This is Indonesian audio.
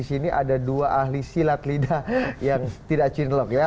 ini ada dua ahli silat lida yang tidak cinglok ya